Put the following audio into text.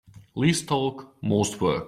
Least talk most work.